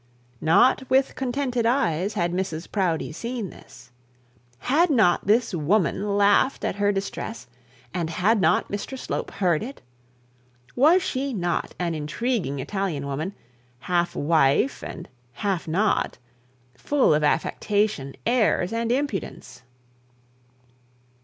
Not with contented eyes had Mrs Proudie seen this. Had not this woman laughed at her distress, and had not Mr Slope heard it? Was she not an intriguing Italian woman, half wife and half not, full of affectation, airs, and impudence?